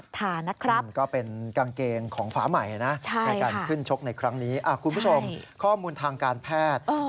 ใช่ค่ะค่ะค่ะในการขึ้นชกในครั้งนี้คุณผู้ชมข้อมูลทางการแพทย์